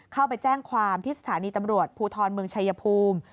เข้าไปแจ้งความที่สถานีตำรวจภูทรเมืองชายภูมิ